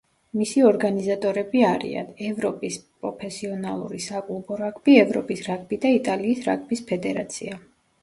მისი ორგანიზატორები არიან: ევროპის პროფესიონალური საკლუბო რაგბი, ევროპის რაგბი და იტალიის რაგბის ფედერაცია.